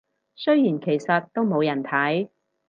雖然其實都冇人睇